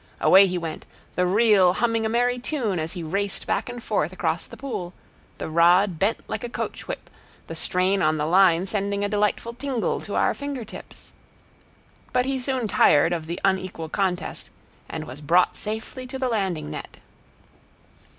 Away he went, the reel humming a merry tune as he raced back and forth across the pool, the rod bent like a coach whip, the strain on the line sending a delightful tingle to our finger tips. But he soon tired of the unequal contest, and was brought safely to the landing net.